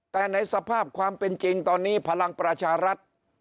แต่ในสภาพความเป็นจริงตอนนี้พลังประชารัฐ